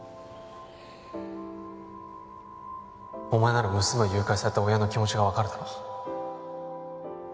お前なら娘を誘拐された親の気持ちが分かるだろ？